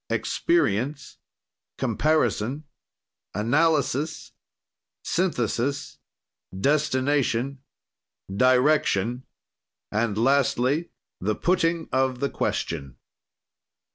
"Experience. "Comparison. "Analysis. "Synthesis. "Destination. "Direction. "And lastly the putting of the question.